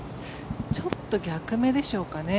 ちょっと逆目でしょうか。